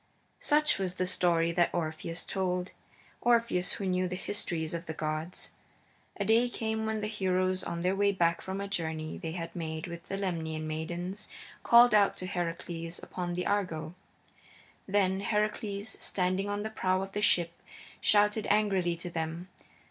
Such was the story that Orpheus told Orpheus who knew the histories of the gods. A day came when the heroes, on their way back from a journey they had made with the Lemnian maidens, called out to Heracles upon the Argo. Then Heracles, standing on the prow of the ship, shouted angrily to them.